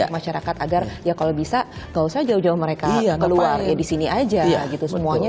masyarakat agar ya kalau bisa nggak usah jauh jauh mereka keluar ya di sini aja gitu semuanya